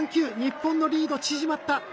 日本のリード縮まった。